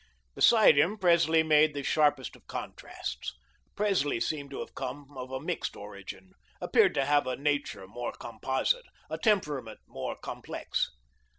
Beside him, Presley made the sharpest of contrasts. Presley seemed to have come of a mixed origin; appeared to have a nature more composite, a temperament more complex.